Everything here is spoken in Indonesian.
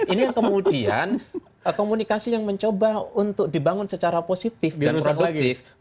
ini yang kemudian komunikasi yang mencoba untuk dibangun secara positif dan produktif